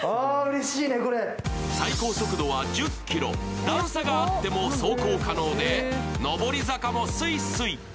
最高速度は１０キロ、段差があっても走行可能で、上り坂もスイスイ。